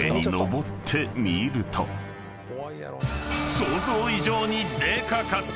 ［想像以上にでかかった！